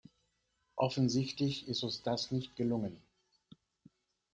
Offensichtlich ist uns das nicht gelungen.